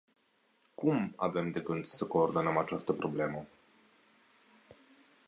Cum avem de gând să coordonăm această problemă?